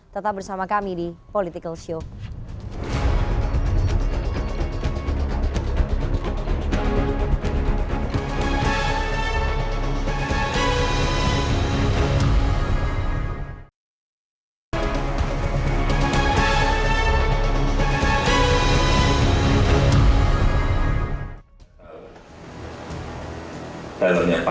tetap bersama kami di politikalshow